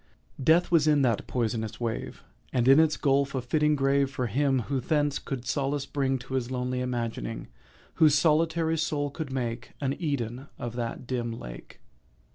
Death was in that poisonous wave, And in its gulf a fitting grave For him who thence could solace bring To his lone imagining— Whose solitary soul could make An Eden of that dim lake.